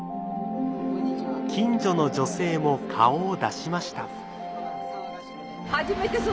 近所の女性も顔を出しました。